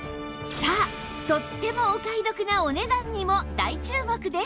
さあとってもお買い得なお値段にも大注目です！